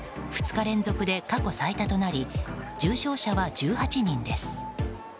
２日連続で過去最多となり重症者は１８人です。